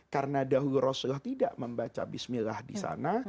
karena dahulu rasulullah tidak membaca bismillah disana